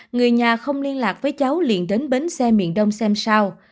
người nhà không liên lạc với cháu liền đến bến xe miền đông xem sao